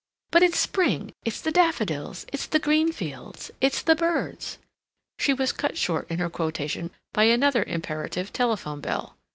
But it's spring; it's the daffodils; it's the green fields; it's the birds." She was cut short in her quotation by another imperative telephone bell.